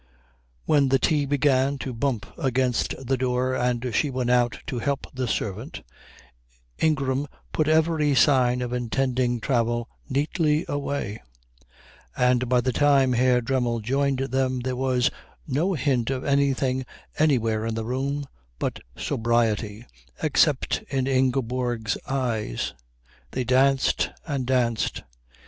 When the tea began to bump against the door and she went out to help the servant, Ingram put every sign of intending travel neatly away, and by the time Herr Dremmel joined them there was no hint of anything anywhere in the room but sobriety except in Ingeborg's eyes. They danced and danced.